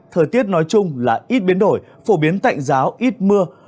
thời tiết nói chung là ít biến đổi phổ biến tạnh giáo ít mưa